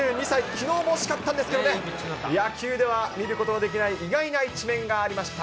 きのうも惜しかったんですけどね、野球では見ることのできない意外な一面がありました。